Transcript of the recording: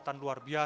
tidak bener tidak